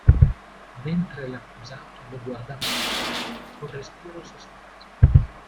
Mentre l'accusato lo guardava fisso, col respiro sospeso.